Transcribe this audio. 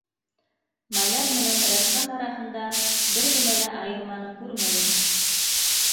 Маляр менән рәссам араһында бер генә лә айырманы күрмәйем.